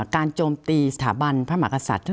โจมตีสถาบันพระมหากษัตริย์